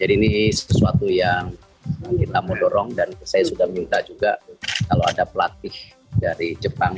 jadi ini sesuatu yang kita mau dorong dan saya sudah minta juga kalau ada pelatih dari jepang